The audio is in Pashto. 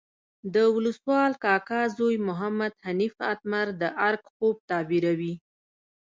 د ولسوال کاکا زوی محمد حنیف اتمر د ارګ خوب تعبیروي.